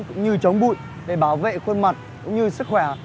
cũng như chống bụi để bảo vệ khuôn mặt cũng như sức khỏe